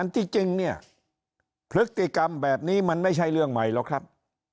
ที่จริงทฤกษ์กิมแบบนี้มันไม่ใช่เรื่องใหม่แล้วครับ